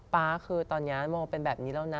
๊าคือตอนนี้โมเป็นแบบนี้แล้วนะ